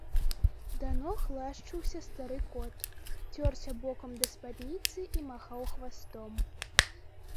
Да ног лашчыўся стары кот, цёрся бокам да спадніцы і махаў хвастом.